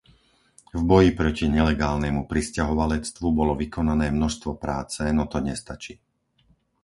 V boji proti nelegálnemu prisťahovalectvu bolo vykonané množstvo práce, no to nestačí.